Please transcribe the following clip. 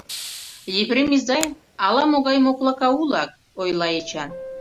— Епрем изай, ала-могай моклака улак, — ойла Эчан.